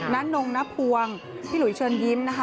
นานนงนภวงพี่หลุยเชิญยิ้มนะคะ